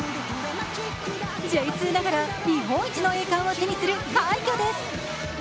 Ｊ２ながら日本一の栄冠を手にする快挙です。